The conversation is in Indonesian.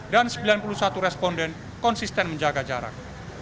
dan sembilan puluh satu responden konsisten menjaga jarak